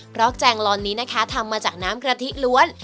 เพราะแกงลอนนี้นะคะทำมาจากน้ำกะทิล้วน